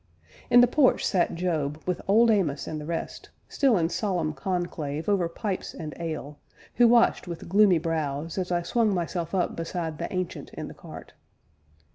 In the porch sat Job, with Old Amos and the rest, still in solemn conclave over pipes and ale, who watched with gloomy brows as I swung myself up beside the Ancient in the cart.